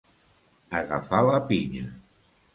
Agafar la pinya.